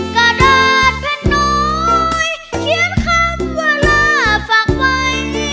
กระดาษแผ่นน้อยเขียนคำว่าลาฝากไว้